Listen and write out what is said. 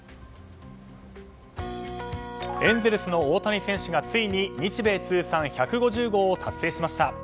エンゼルスの大谷選手がついに日米通算１５０号を達成しました。